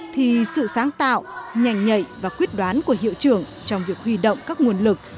thì sự sáng tạo nhanh nhạy và quyết đoán của hiệu trưởng trong việc huy động các nguồn lực